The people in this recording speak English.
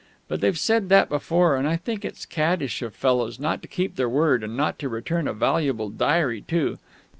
But they've said that before, and I think it's caddish of fellows not to keep their word and not to return a valuable diary too!